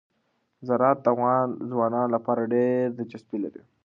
زراعت د افغان ځوانانو لپاره ډېره دلچسپي لري.